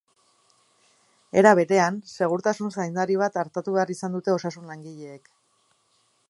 Era berean, segurtasun zaindari bat artatu behar izan dute osasun-langileek.